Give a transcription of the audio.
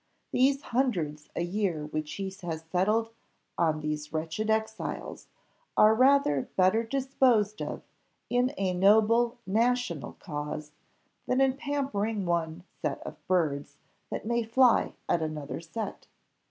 These hundreds a year which he has settled on these wretched exiles, are rather better disposed of in a noble national cause, than in pampering one set of birds that they may fly at another set."